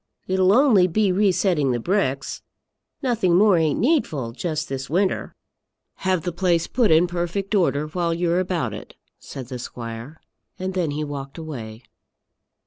It'll only be re setting the bricks. Nothing more ain't needful, just this winter." "Have the place put in perfect order while you're about it," said the squire, and then he walked away.